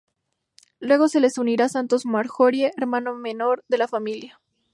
Luego se les uniría Santos Marjorie, hermano menor de la familia.